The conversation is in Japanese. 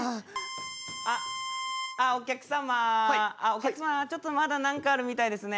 お客様ちょっとまだ何かあるみたいですね。